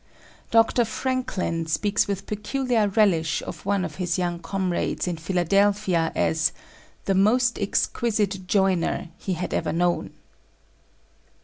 Dr. Franklin speaks with peculiar relish of one of his young comrades in Philadelphia, as "the most exquisite joiner" he had ever known.